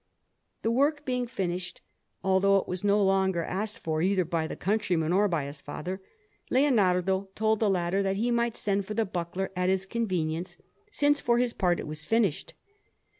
The work being finished, although it was no longer asked for either by the countryman or by his father, Leonardo told the latter that he might send for the buckler at his convenience, since, for his part, it was finished.